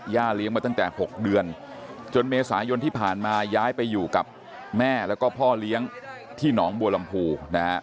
เลี้ยงมาตั้งแต่๖เดือนจนเมษายนที่ผ่านมาย้ายไปอยู่กับแม่แล้วก็พ่อเลี้ยงที่หนองบัวลำพูนะฮะ